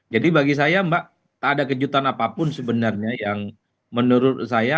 jadi bagi saya mbak tak ada kejutan apapun sebenarnya yang menurut saya